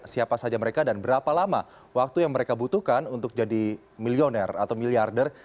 siapa saja mereka dan berapa lama waktu yang mereka butuhkan untuk jadi milioner atau miliarder